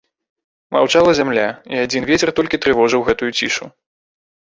Маўчала зямля, і адзін вецер толькі трывожыў гэту цішу.